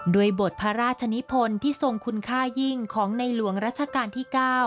บทพระราชนิพลที่ทรงคุณค่ายิ่งของในหลวงรัชกาลที่๙